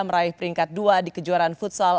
meraih peringkat dua di kejuaraan futsal